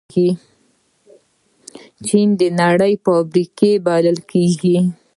چین د نړۍ فابریکې بلل کېږي.